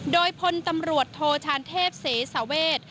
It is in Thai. โดยพลตำรวจโทชานเทพเสสาเวท